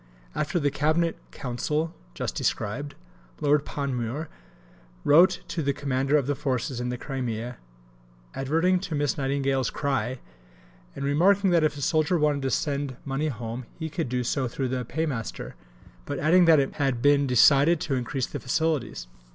After the Cabinet Council, just described, Lord Panmure wrote to the Commander of the Forces in the Crimea, adverting to Miss Nightingale's "cry," and remarking that if a soldier wanted to send money home he could do so through the Paymaster, but adding that it had been decided to increase the facilities.